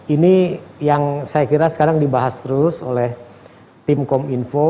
ini yang saya kira sekarang dibahas terus oleh tim kominfo